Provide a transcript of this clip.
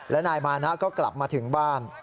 และนายมานะก็กลับมาถึงบ้าน